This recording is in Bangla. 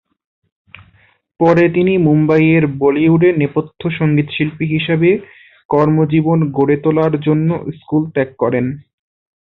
পরে তিনি মুম্বাইয়ের বলিউডে নেপথ্য সঙ্গীতশিল্পী হিসাবে কর্মজীবন গড়ে তোলার জন্য স্কুল ত্যাগ করেন।